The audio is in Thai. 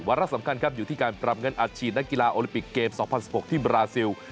ระสำคัญครับอยู่ที่การปรับเงินอัดฉีดนักกีฬาโอลิปิกเกม๒๐๑๖ที่บราซิล